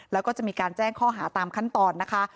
แล้วก็จะมีการแจ้งข้อหาตามขั้นตอนนะคะ